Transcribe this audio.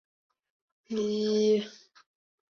它是世界上最长寿的急诊。